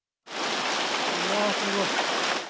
うわー、すごい。